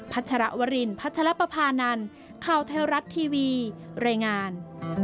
ชรวรินพัชรปภานันข่าวไทยรัฐทีวีรายงาน